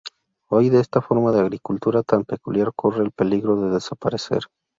Hoy, esta forma de agricultura tan peculiar corre el peligro de desaparecer.